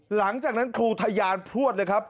หลังจากนั้นครูทะยานพลวดเลยครับ